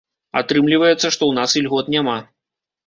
Атрымліваецца, што ў нас ільгот няма.